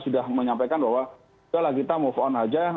sudah menyampaikan bahwa itulah kita move on aja